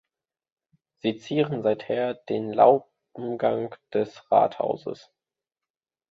Sie zieren seither den Laubengang des Rathauses.